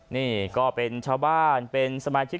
นี่ก็เป็นชาวบ้านเป็นสมาชิก